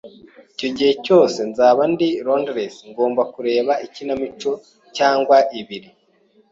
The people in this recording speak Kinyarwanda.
Igihe cyose nzaba ndi i Londres, ngomba kureba ikinamico cyangwa ibiri.